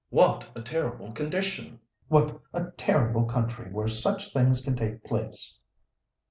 "What a terrible condition! What a terrible country where such things can take place!"